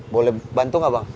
boleh bantu gak bang